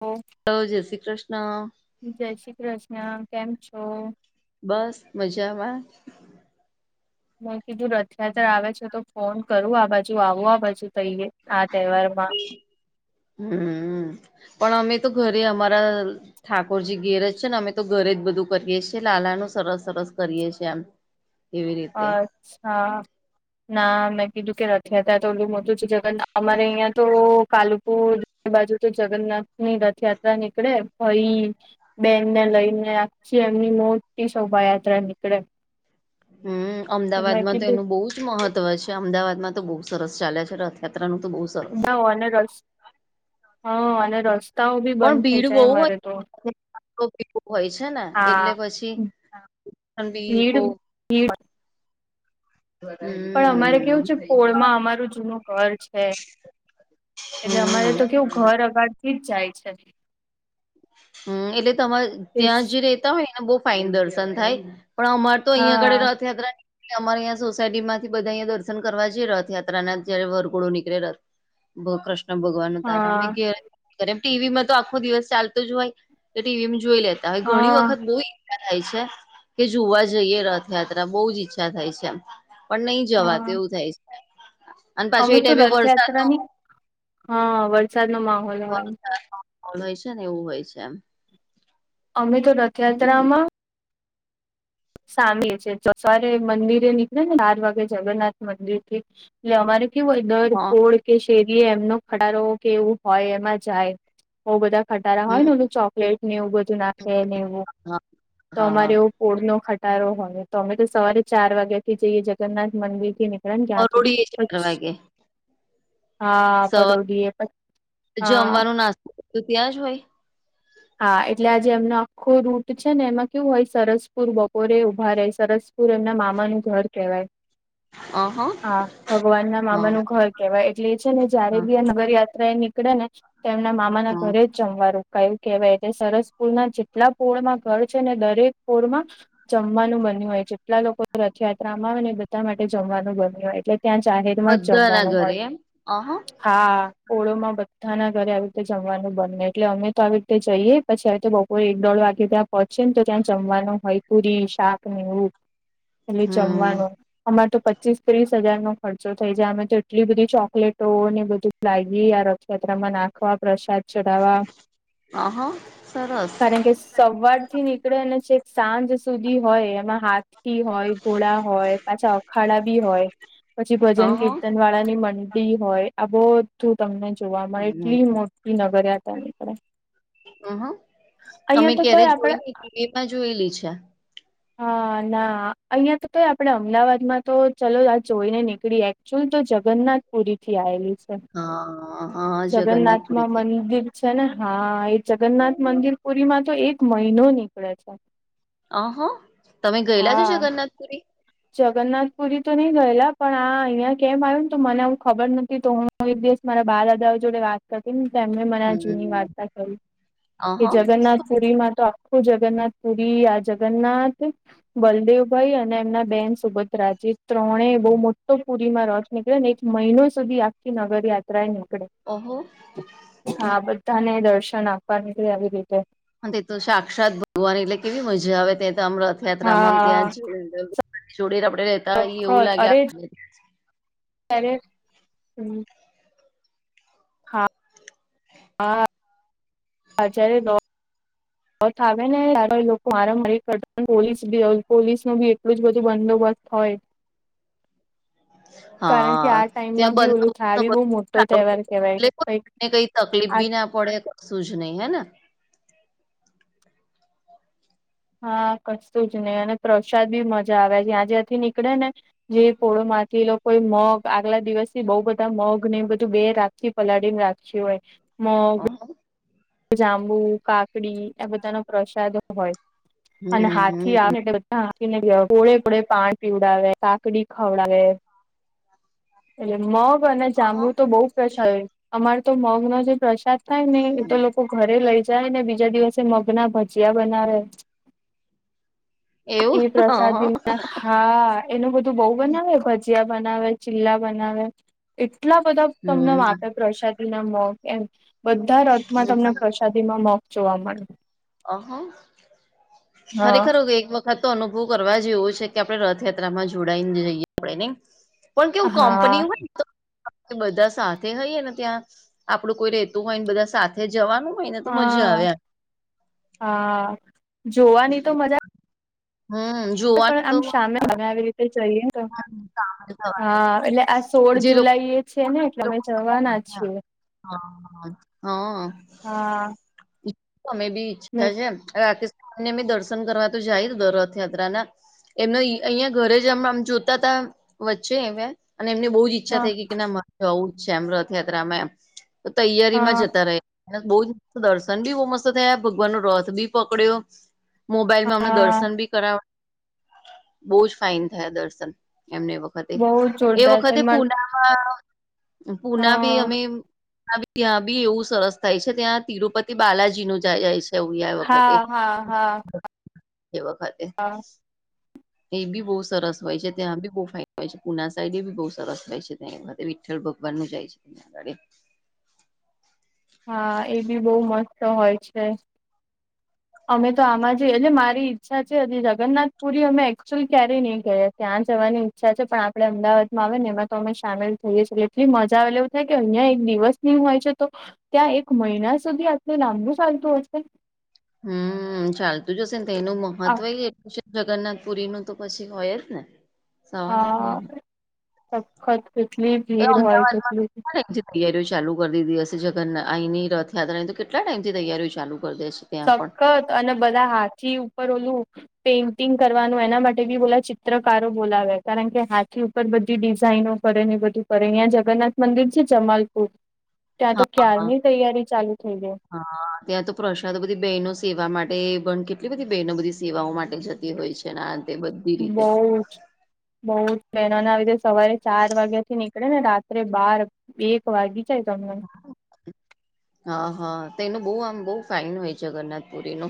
હા હ જય શ્રી કૃષ્ણ જય શ્રી કૃષ્ણ કેમ છો બસ મજામાં ના કીધું રથયાત્રા આવે છે તો ફોન કરું આ બાજુ આવું આ બાજુ કઈએ આ તહેવાર માં હમ પણ અમે તો ઘરે અમારા ઠાકોરજી ગેરજ છે ને અમે તો ઘરે જ બધું કરીએ છીએ લાલાનુંું સરસ સરસ કરીએ છીએ એમ અચ્છા ના મેં કીધું કે રથયા હતા તો ઓલું મોટું છે જગ અમારે અહિયાં તો કાલુપુર એ બાજુ તો જગન્નાથ ની રથયાત્રા નીકળે ભાઈ બેનને લઈને આછી એમની મોટી શોભાયાત્રા નીકળે હમ મેં અમદાવાદમાં તો કીધું એનું બહુ જ મહત્વ હોય છે, અમદાવાદમાં તો બહુ સરસ ચાલ્યા છે, રથયાત્રાનું તો બહુ સરસ ના અને ર હા અને રસ્તાઓ બી બંધ થઇ જાય અમારે તો ઓકે હોય છે, ને હા એટલે પછી બી બ ભીડ ભીડ હ પણ અમારે કેવું છે, પોળમાં અમારું જૂનું ઘર છે. એટલે અમારે તો હમ કેવું ઘર અગાડ થી જ જાય છે. હમ એટલે તમારે ઈશ ત્યાં જે રેતા હોય ને બહ ફાઇન દર્શન થાય પણ અમા તો અહં ઘડે હા રથયાત્રા ની અમારે અં સોસાયટી માંથી બધા અહીંયા દર્શન કરવા જ રથ યાત્રા ના જયારે વરઘોડો નીકળે રથ બહ કૃષ્ કૃષ્ણ ભગવાન ન તારા હા અમે ઘેમ ટીવીમાં તો આખો દિવસ ચાલતો જ હોય તો ટીવીમાં જોઈ લે હવે ઘણી હા વખત બોઈ થાય છે, કે જોવા જઈએ રથયાત્રા બહુ જ ઈચ્છા થાય છે. પણ નહી જવા તો હા એવું થાય છે. અને પાછું અમે એ તો ટાઈમે વરસાદ ન રથયાત્રાની હા વરસાદ નો મામ હોય છે, ને એવું હોય છે, એમ અમે તો રથયાત્રામાં સામેી છે, સવારે મંદિરે નીકળે ને બાર વાગે જગન્નાથ મંદિર થી એટલે અમાર કેવું હોય દર હા કોળ કે શેરીએ એમનો ખટારો કે એવું હોય એમાં જાય બઉ બધા ખટારા હમ હોય ને ઓધું ચોકલેટ ને એવું બધું નાખે ને એવું હા તો હા હા અમારેવું ઓળ નો ખટારો હોય તો અમે તો સવારે ચાર વાગ્યા થી જઈએ જગન્નાથ મંદિર થી ને મ ક્યાં છે. મરોડીએ ચાર વાગે હા સવારે પરોડીએ પછી હા તો ત્યાં જ હોય હા એટલે આ જેે એમનો આખો રૂટ છે, ને એમાં કેવું હોય સરસપુર બપોરે ઉભા રે સરસુ પુર એમના મામાનું ઘર કેહેવાય હા ભગવાન ના મામાનું હા ઘર કેવા એટલે એ છે, ને જયારે બી આ નગર યાત્રા એ નીકળે ને તો એમના મામા ના હા ઘરે જ જમવાનુંું કયું કેહેવાય સરસપુર ના જેટલા પોળમાં ઘર છે, ને દરેક પોળમાં જમવાનું બન્યું હોય જેટલા લોકો રથયાત્રામાં આવે ને બધા માટે જમવાનું બન્યું હોય એટલે ત્યાં જાહેર માં જ બધાના જમવાનું હોય ઘરે એમ અહ હા ઓળોમાં બધાના ઘરે આવી રીતે જમવાનું બનેને એટલે અમે તો આવીી તે જઈએ પછી હવે તો બપોરે એક દોઢ વાગે ત્યાં પહોંચીે ને તો ત્યાં જમવાનું હોય પુરી શાક ને એવું એટલે હમ્મ જમવાનું અમારે તો પ પચીસ ત્રીસ હજાર નો ખર્ચો થઈ જાય અમે તો એટલી બધી ચોકલેટો ને બધું ફ્ગી યાત્રામાં નાખવા પ્રસાદ ચડાવવા હ હા સરસ કારણ કે સવાર થી નીકળે અને છેક સાંજ સુધી હોય એમાં હાથ હોય ઘોડા હોય પાછા અખાડા બી હોય પછી અહ ભજન કીર્તન વાળાની મ હોય આ બહું તમને જોવા મળે હમ્મ એટલી મોટી નગરિયા હતા એનીકે હ હ અમે તો ક્યારે તોય જોય આપડે લ એમાં જોયેલી છે. હા ના અહિયાં તો ક આપડે અમદાવાદમાં તો ચાલ આ જોઈ ને નીકળી ચુલ તો જગન્નાથ પુરી થી આવેલી છે. હા હા જગન્નાથ જગન્નાથપુરી માં થી મંદિર છે, ને હા એ જગન્નાથ મંદિર પુરીમાં તો એક મહિનો નીકળે છે. અહા તમે ગયેલા છો હા જગન્નાથપુરી જગન્નાથપુરી તો નહી ગયેલા પણ આ અહિયાં કેમ આવ્યું ને તો મને આવું ખબર નથી તો હું હું એક દિવસ મારા બા દાદાઓ જોડે વાત તેમને મને જુની હમ્મ વાર્તા કરી કે અહ જગન્નાથ પુરી માં તો આખું જગન્નાથ પુરી આ જગનાથ બલદેવભાઈ અને એમના બેન સુોબત રા ત્રણે બહુ મોટો પુરીમાં રસ નીકળે ને એક મહિનો સુધી આખી નગર યાત્રા નીકળે ઓહો હા બધાને દર્શન આપવા નીકળે આવી રીતે તે તો સાક્ષાત ભગવાની એટલે કેવી મજા આવે ત્યાં તો આમ રથયાત્રામાં આમ હા ત્યાં જ આપડી જોડે રબર રેત વખત અરે અરે હમ હાચ્યારે દો થ આવે નેાર લોકો મારા મારી કરતા પોલીસ બી પોલીસ ન બી એટલું જ બધું બંદોબસ્ત હોય કારણ કે હા આ ત્યાં ટાઈમમાં બી ઓલું બંદોબસ્ત થાય બી બહુ મોટો તહેવાર કેવાય કઈક ને કઈ તકલીફ આ બી ના પડે કશું જ નહી હે હા કચતું જ નઈ અને પ્રસાદ બી મજા આવે જ્યાં જ્યાંથી નીકળે ને જે કોળો માંથી એ લોકો મગ આગલા દિવસ થી બહુ બધા મગ ને બધું બે રાત થી પલાડીને રાખ હોય મગ હા જાંબુ કાકડી આ બધાના પ્રસાદો હોય અને હાથથી હમ્મ આવે બધા કેવા ગોળે પળે પાન પીવડાવે કાકડી ખવડાવે એટલે મગ અને જાંબુ અહ તો બહુ પ્રસાદ હોય અમારે તો મગ નો જે પ્રસાદ થાયને તો લોકો ઘરે લઈ જાય ને બીજા દિવસે મગના ભજીયા બનાવે એવું એ પ્રસાદ અહ હા એનું બધું બહુ બનાવે ભજીયા બનાવે ચીલા બનાવે એટલા બધા તમને હમ્મ વાપ પ્રસાદીના મગ એમ બધા ર વરસાદી માં મોક જોવા મળે ઓહો હા ખરેખર એક તો અનુભવ કરવા જે એવો છે કે આપણે રથયાત્રામાં જોડાઈને જઈએ આપડે નને પણ કેવું હા કંપની હોય બધા સાથે હોઈએ ને ત્યાં આપડું કોઈ રતું હોય ને બધા સાથે જવાનું હોય ને તો મજા હા આવે હા જોવાની તો મજા હમ જોવાનું પણ તો આમ સામે મજા આવે અમે આવી રીતે જઈએ હા એટલે આ સોળ જે લોકો જુલાઈ એ છે ને એટલે બહુ અમે મજા જવાના આવે. છીએ હા હા હા તમે બી મે ઈચ્છા છે રાત્રે અને એમે દર્શન કરવા તો જાય રથયાત્રા ના એમને અહિયાં ઘરે જ હમણા જોતા ત વચ્ચે એ અને એમને બહુ જ ઈચ્છા હા થઈ કે કે ના જવું જ છે એમ રથયાત્રામાં એમ તો તૈયારીમાં હા જતા રહયા બહ જ દર્શન બી બહુ મસ્ત થયા ભગવાન નો રથ બી પકડ્યો મોબાઈલમાં અમણા હા દર્શન બી કરાવ બહુ જ ફાઇન થયા દર્શન એમને વખતે બહુ વ એ જોરદાર છે વખતે હ પુનામાં પુના ભી હા અમે ત્યાં બી એવું સરસ થાય છે ત્યાં તિરુપતિ બાલાજી નું જ જાય છે થવું આ વખતે હા હા હા એ વખતે હા એ બી બહુ સરસ હોય છે ત્યાં બી બહુ ફાયદા હોય છે પુના સાઈડ એ બી બહુ સરસ હોય છે ત ભગવાનનું જાય છે તં આગે હા એ બી બહુ મસ્ત હોય છે. અમે તો આમાં જ એટલે મારી ઈચ્છા છેજી જગનાથપુરી અમે એકક્ચુઅલ ક્યારેય નહી ગયા ત્યાં જવાની. અચ્છા છે પણ આપડ અમદાવાદમાં આવે ને એમાં તો અમે સામેલ થઈએ છીએ એટલી મજા આવે એવું થાય કે અહીયા એક દિવસ હોય છે તો ત્યા એક મહિના સુધી આટલે લાંબું ચાલતું હશે હમ ચાલતું જશે ને તો એનું મહત્વ એટલું જગન્નાથ પુરી નુ તો પછી હોય જ ને સવાલ જ આહા નહી સખત કેટલી એ ભીડ હોય કેટલી અમદાવાદમાં તો તૈયારીઓ ચાલુ કરી દીધી હશે જગન્નાથ અહીંની રથયાત્રાની તો કેટલા ટાઈમથી તૈયારીઓ ચાલુ કરી દેશે સખત અને બધા હાથી ઉપર ઓલું પેઇન્ટિંગ કરવાનું એના માટે બી ઓલા ચિત્રકારો બોલાવે કારણ કે હાથી ઉપર ઉપ બધી ડિઝાઇનો કરે ને બધું કરે અહીંયા જગન્નાથ મંદિર છે જમાલપુર ત્યાં તો હા હા ક્યારની તૈયારી ચાલુ થઈ ગઈ હા ત્યાં તો પ્રશ્ન તો બધી બહેનો સેવા માટે પણ કેટલી બધી બહેનો બધી સેવાઓ માટે જતી હોય છે બધુ બઉ જ બઉ જ બહેનોને આવી સવારે ચાર વાગ્યા થી નીકળે ને રાત્રે બાર એક વાગી જાય તમે હા હા તો એનું બહુ આમ બહુ ફાઈન હોય છે જગન્નાથપુરી નુ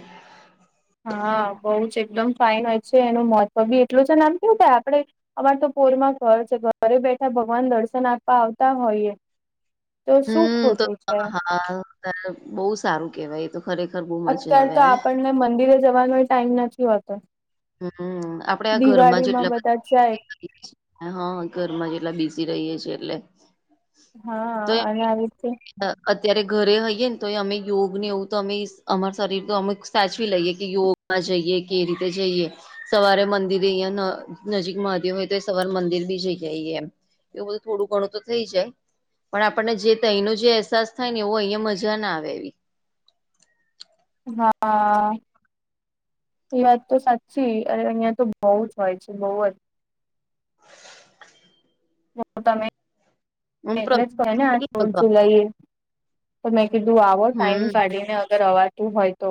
હા બઉ જ એકદમ ફાાઈન હોય છે એનું મહત્વ બી એટલું જ નામ કેવું થાય આપડે અમાર તો પોરમાં ઘર છે ઘરે બેઠા ભગવાન દર્શન આપવા આવતા હોઈએ તો શું હમ તો ખોટું છે હા બહ સારું કેવાય એ તો ખરેખર બ અત્યાર તો આપણને મંદિરે જવાનો ટાઈમ નથી હોતો. હમ આપડે આ ઘરમાં દિવાળીમાં જેટલા બધા જાય બધા. હા ઘરમાં જેટલા બીજી રહીએ છીએ એટલે. તો હા અને આવી રીતે. અત્યારે ઘરે હઈએે ને તો અમે યોગ ને એવું તો અમે અમાર શરીર તો અમે સાચવી લઈએ કે યોગ. ચાલવા જઈએ કે રીતે જઈએ. સવારે મંદિરે અહિયાં નજીક. મહાદેવ હોય તો એ સવારે મંદિર બી જઈ એમ. એ બધું થોડું ઘણું તો થઈ જાય. પણ આપણને જે અનો જે અહેસાસ થાય ને એવો અહીંયા મજા ના આવે એવી. હા. એ વાત તો સાચી અહિયાં તો બઉુ જ હોય છે બઉ. તો તમે હમ પ્ર એટલે જ કો ને આ ફોર્થ જુલાઈ એ. તો મેં કીધું આવો ટાઈમ હમ કાઢીને અગર અવાતું હોય તો.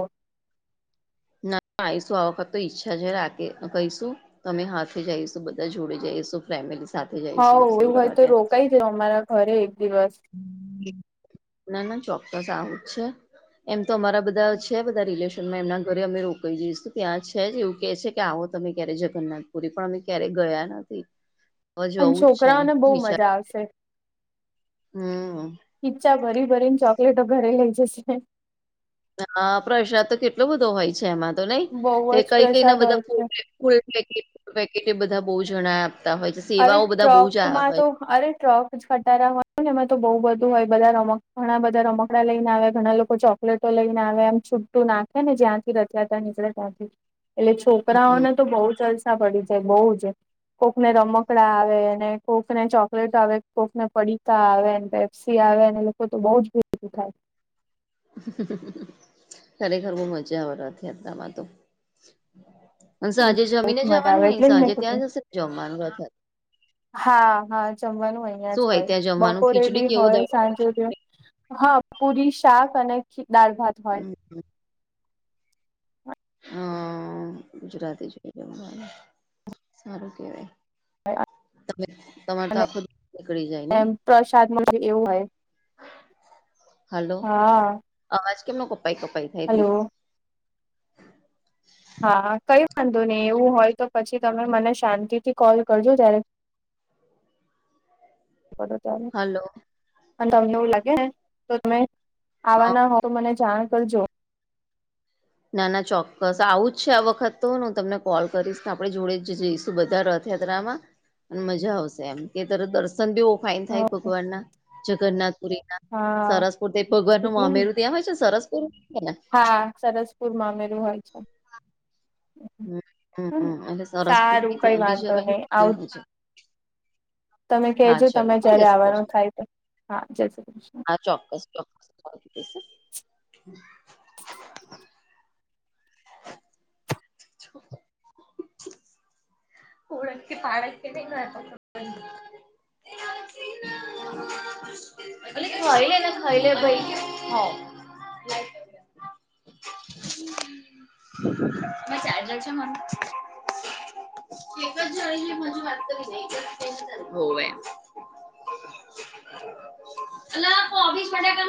ના આવીશું આ વખત તો ઈચ્છા છે રાતે રઈશું તમે હાથે જઈશું બધા જોડે જઈશું. ફેમિલી સાથે જઈશું દર્શન કરવા ત્યાં. તમારા ઘરે એક દિવસ. ના ના ચોક્કસ આવું જ છે. એમ તો અમારા બધા છે બધા રિલેશનમાં એમના ઘરે અમે રોકાઈ જઈશું ત્યાં છે જ એવું કે છે. કે આવો તમે ક્યારે જગન્નાથપુરી પણ અમે ક્યારે ગયા નથી. હવે અને જવું જ છે એમ છોકરાઓને બહુ વિચાર મજા આવશે. હમ. ખીચ્ચા ભરી ભરીને ચોકલેટો ભરે લઇ જશે. હા પ્રસાદ તો કેટલો બધો હોય છે એમાં તો નહી બહુ તે જ કઈ કઈ ના પ્રસાદ હોય બધા ફૂ. છે ફૂલ પેટ પેકેટ એ બધા બહુ જણા આપતા હોય છે અરે સેવાઓ બધા બહુ જ ટ્રકમાં હોય તો છે. અરે ટ્રક જ ખટાારા હોય ને એમાં તો બઉુ બધું હોય બધા ર ઘણા બધા રમકડા લઈને આવ્યા ઘણા લોકો ચોક. લેટો લઈને આવે એમ છૂટું નાખે ને જ્યાંથી રચ્યા ત્યાં નીકળે ત્યાંથી. એટલે હમ છોકરાઓને તો બહુ જલસા પડી જાય બહુ જ કોકને રમક. આવે કોક ને ચોકલેટ આવે કોફ ને પડીતા આવે પેપ્સી આવે લોકો તો બ. બ થાય. [inaudible] ખરેખર બહુ મજા આવે રથયાત્રામાં તો. પણ સાંજે બહુ જમીને જ મજા જવાનું આવે હોય એટલે જ મેં સાંજે કીધું ત્યાં જશે જમવાનું અથ. હા હા જમવાનું અહં શું જ હોય ત્યાં જમવાનું બપોરે ખીચડી બી કેવું હોય દાળ ભાત સાંજે જે. હા પુરી શાક અને ખી દળ ભત હોય. હા ગુજરાતી જોઈ જ સારું કેવાય. હ આ. તમે તમા. અને એમ પ્રસાદમાં જે એવું હોય. હાલો હા. અવાજ કેમનો કપાઈ કપાઈ થાય ભ. હલો હા કઈ વાંધો નહી એવું હોય તો પછી તમે મને શાંતિથી કોલ કરજો જ્યારે. હ છે. ત્યારે હાલો અને તમને એવું લાગે તો તમે. હ આવા ના હોય મને જાણ કરજો. ના ના ચોક્કસ આવું જ છે આ વખત તો હું તમને કોલ કરીશ ને આપણે જોડે જ જઈશું બધા ર. યાત્રામાં અને મજા આવશે એમ. કે તર દર્શન બી ફાાઈન થાય ઓકે ભગવાન ના જગન્નાથપુરી ના. હા સરસપુર તો એક ભગવાન નું એટલે ને મામેરું ત્યાં હોય છે સરસપુર ને. હા સરસપુરમાં અમેરું હોય છે. હમ મમ એટલે સરસપુર સારું કઈ આવી જ વાંધો નહી આવ હવેુંજ. તમે કહેજો ચલો તમે હા જય્યારે જય શ્રી આવવાનું કૃષ્ણ થાય હા જય શ્રી કૃષ્ણ. ચોક્કસ ચોક્કસ પસા છ ઓળખ પાળખ નઈ ખાઈ લ ના ખાઈ લ ભાઈ હ [unintelligible] [inaudible] બસ આાલ જ છે મારું એક જજ વાતત અલ કોબીસ ફટાકા